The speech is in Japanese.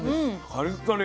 カリカリ。